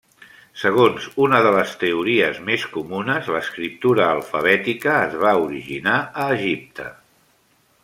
Segons una de les teories més comunes, l'escriptura alfabètica es va originar a Egipte.